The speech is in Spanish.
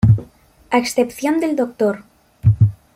A excepción del Dr.